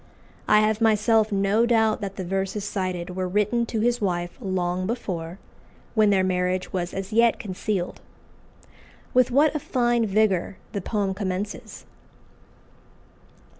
I have myself no doubt that the verses cited were written to his wife long before, when their marriage was as yet concealed. With what a fine vigour the poem commences!